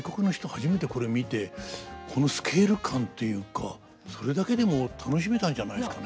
初めてこれ見てこのスケール感というかそれだけでも楽しめたんじゃないですかね。